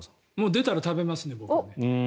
出たら食べますね僕ね。